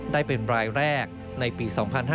ได้เป็นรายแรกในปี๒๕๕๙